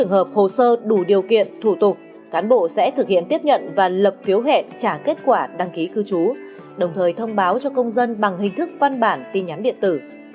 trường hợp hồ sơ đủ điều kiện thủ tục cán bộ sẽ thực hiện tiếp nhận và lập phiếu hẹn trả kết quả đăng ký cư trú đồng thời thông báo cho công dân bằng hình thức văn bản tin nhắn điện tử